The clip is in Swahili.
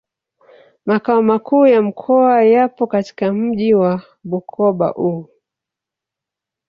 Makao Makuu ya Mkoa yapo katika mji wa Bukoba u